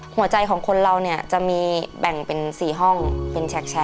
หัวใจของคนเราเนี่ยจะมีแบ่งเป็น๔ห้องเป็นแช